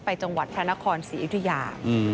ไปจังหวัดพระนครศรีอิทยา